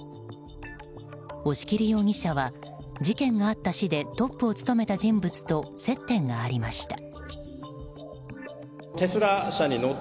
押切容疑者は事件があった市でトップを務めた人物と接点がありました。